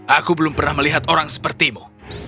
aku belum pernah melihat orang sepertimu